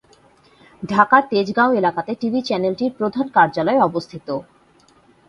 ঢাকার তেজগাঁও এলাকাতে টিভি চ্যানেলটির প্রধান কার্যালয় অবস্থিত।